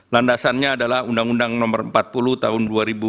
landasannya adalah undang undang nomor empat puluh tahun dua ribu dua